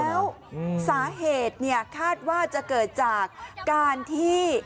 แล้วสาเหตุเนี่ยคาดว่าจะเกิดจากการที่